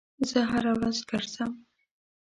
زه هر ورځ ګرځم